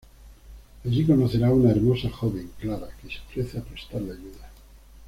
Allí conocerá a una hermosa joven, Clara, que se ofrece a prestarle ayuda.